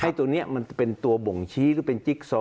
ตัวนี้มันเป็นตัวบ่งชี้หรือเป็นจิ๊กซอ